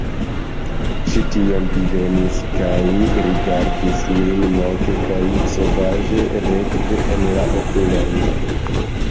Ŝi tion divenis, kaj rigardis min moke kaj sovaĝe, rekte en la okulojn.